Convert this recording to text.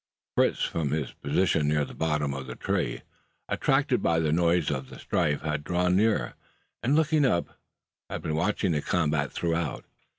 Fritz, from his position near the bottom of the tree, attracted by the noise of the strife, had drawn nearer; and looking up, had been watching the combat throughout.